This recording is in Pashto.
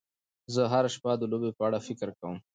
زه هره شپه د لوبې په اړه فکر کوم.